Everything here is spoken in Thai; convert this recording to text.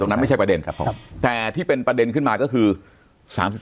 ตรงนั้นไม่ใช่ประเด็นครับผมแต่ที่เป็นประเด็นขึ้นมาก็คือสามสิบ